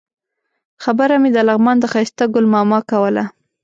خبره مې د لغمان د ښایسته ګل ماما کوله.